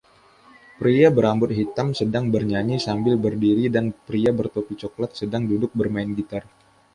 Pria berambut hitam sedang bernyanyi sambil berdiri dan pria bertopi cokelat sedang duduk bermain gitar.